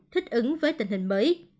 thích ứng với tình hình mới